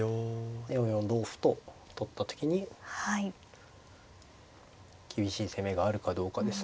４四同歩と取った時に厳しい攻めがあるかどうかですね。